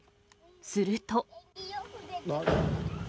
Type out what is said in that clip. すると。